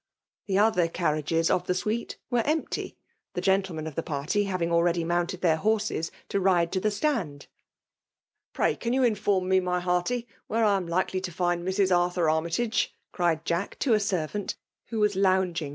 The oth<»; carriages of t]ho suite were, empty; the gentlemen of the pf^rty having already mounted their horses to lade to the stand. .Bray can you inform me, my hearty> ^faere I 9fa likely to find Mrs. Arthur Annjtag^" cried Jach« to a. servant who waa hnamgiag VOL.